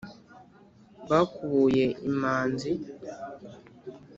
Bakubuye imanzi